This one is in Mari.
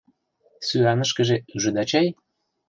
Сӱанышкыже ӱжыда чай?